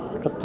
rất rất xíu